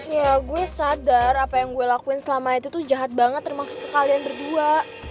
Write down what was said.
ya gue sadar apa yang gue lakuin selama itu tuh jahat banget termasuk kalian berdua